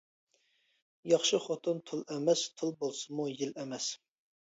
ياخشى خوتۇن تۇل ئەمەس، تۇل بولسىمۇ يىل ئەمەس.